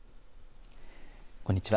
こんにちは。